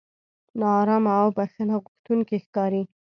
نا ارامه او بښنه غوښتونکي ښکاري.